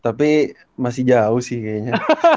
tapi masih jauh sih kayaknya